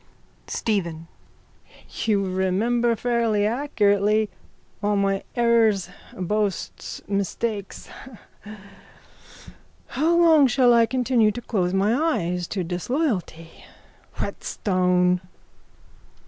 STEPHEN: You remember fairly accurately all my errors, boasts, mistakes. How long shall I continue to close my eyes to disloyalty? Whetstone!